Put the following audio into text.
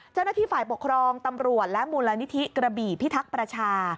เจ้าหน้าที่ฝ่ายปกครองตำรวจและมูลนิธิกระบี่พิทักษ์ประชา